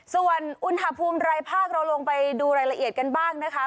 ส่วนอุณหภูมิรายภาคเราลงไปดูรายละเอียดกันบ้างนะคะ